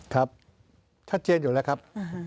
ครับชัดเจนอยู่แล้วครับ